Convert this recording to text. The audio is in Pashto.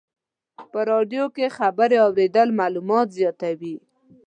په رادیو کې خبرې اورېدل معلومات زیاتوي.